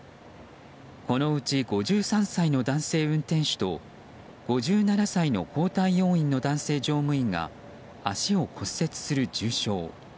このうち、５３歳の男性運転手と５７歳の交代要員の男性乗務員が足を骨折する重傷。